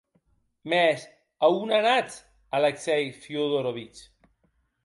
Mès, a on anatz, Aleksei Fiódorovich?